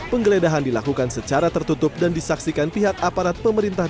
penggeledahan dilakukan secara tertutup dan disaksikan pihak aparat pemerintah